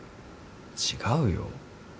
違うよ。